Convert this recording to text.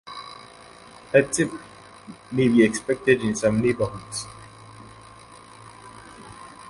A tip may be expected in some neighborhoods.